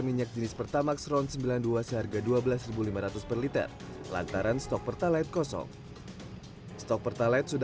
minyak jenis pertamax ron sembilan puluh dua seharga dua belas lima ratus per liter lantaran stok pertalite kosong stok pertalite sudah